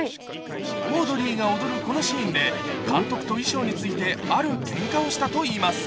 オードリーが踊るこのシーンで、監督と衣装についてあるけんかをしたといいます。